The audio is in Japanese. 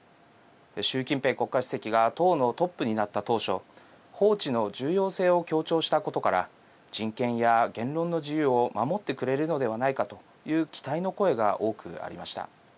習近平国家主席が党のトップになった当初法治の重要性を強調したことから人権や言論の自由を守ってくれるのではないかという期待の声が多くありました。